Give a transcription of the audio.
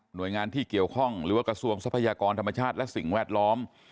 โดยงานที่เกี่ยวข้องหรือว่ากระทรวงทรัพยากรธรรมชาติและสิ่งแวดล้อม